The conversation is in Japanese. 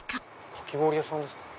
かき氷屋さんですかね？